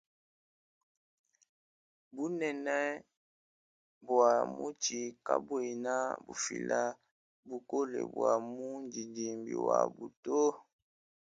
Bunene bua mutshi kabuena bufila bukole bua mundi dimbi wawuto.